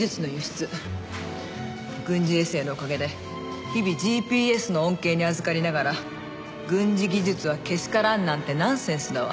軍事衛星のおかげで日々ＧＰＳの恩恵にあずかりながら軍事技術はけしからんなんてナンセンスだわ。